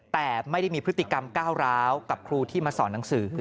แต่ไม่ได้มีพฤติกรรมก้าวร้าวกับครูที่มาสอนหนังสือ